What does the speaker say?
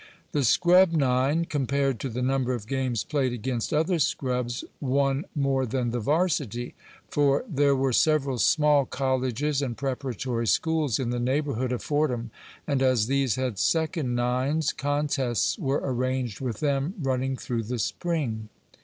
The scrub nine, compared to the number of games played against other scrubs, won more than the varsity. For there were several small colleges and preparatory schools in the neighborhood of Fordham, and, as these had second nines, contests were arranged with them running through the spring.